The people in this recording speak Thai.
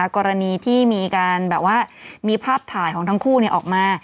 กรณีที่มีการแบบว่ามีภาพถ่ายของทั้งคู่ออกมา